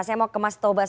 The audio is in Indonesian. saya mau ke mas tobas